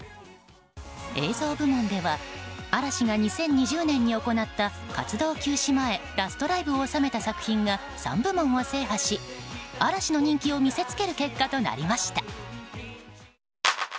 映像部門では嵐が２０２０年に行った活動休止前ラストライブを収めた作品が３部門を制覇し嵐の人気を見せつける結果となりました。